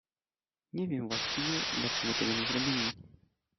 Nie wiem właściwie, dlaczego tego nie zrobili.